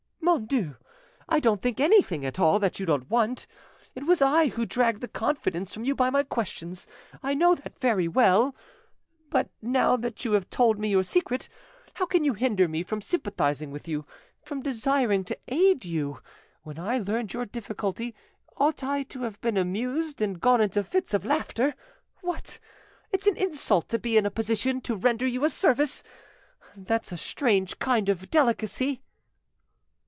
"Mon Dieu! I don't think anything at all that you don't want. It was I who dragged the confidence from you by my questions, I know that very well. But now that you have told me your secret, how can you hinder me from sympathising with you, from desiring to aid you? When I learned your difficulty, ought I to have been amused, and gone into fits of laughter? What! it's an insult to be in a position to render you a service! That's a strange kind of delicacy!"